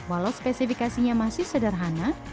walau spesifikasinya masih sederhana